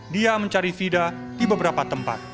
dia mencari fida di beberapa tempat